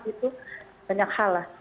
itu banyak hal lah